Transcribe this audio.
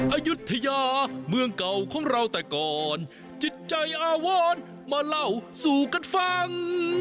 อายุทยาเมืองเก่าของเราแต่ก่อนจิตใจอาวรมาเล่าสู่กันฟัง